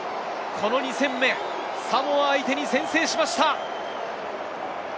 この２戦目、サモア相手に先制しました。